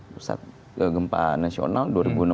pusat gempa nasional